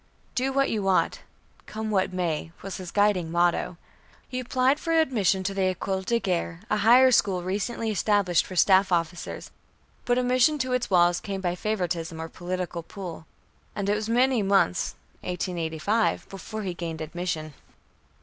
"Do what you ought, come what may" was his guiding motto. He applied for admission to the École de Guerre, a higher school recently established for staff officers, but admission to its walls came by favoritism or political pull, and it was many months (1885) before he gained admission.